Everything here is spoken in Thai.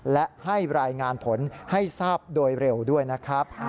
และให้รายงานผลให้ทราบโดยเร็วด้วยนะครับ